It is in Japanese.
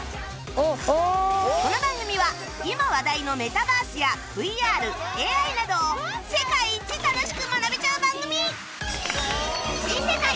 この番組は今話題のメタバースや ＶＲＡＩ などを世界一楽しく学べちゃう番組！